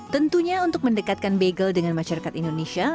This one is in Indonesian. tentunya untuk mendekatkan bagel dengan masyarakat indonesia